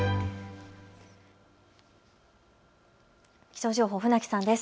気象情報、船木さんです。